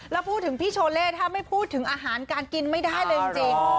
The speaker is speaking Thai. แล้วพูดถึงพี่โชเล่ถ้าไม่พูดถึงอาหารการกินไม่ได้เลยจริง